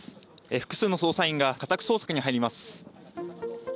複数の捜査員が家宅捜索に入ります。